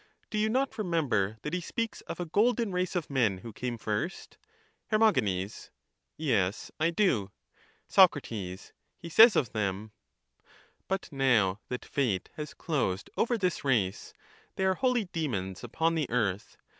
Do you not remember that he speaks of a golden race of men who came first ? Her. Yes, I do. Soc. He says of them —' But now that fate has closed over this race They are holy demons upon the earth.